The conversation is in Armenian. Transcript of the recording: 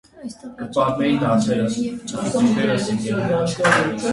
Այստեղ վաճառվում էր բանջարեղեն և ճարպ։